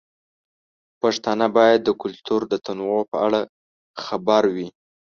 پښتانه باید د کلتور د تنوع په اړه خبر وي.